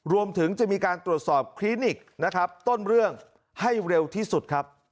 รวมถึงจะมีการตรวจสอบคลินิกนะครับต้นเรื่องให้เร็วที่สุดครับ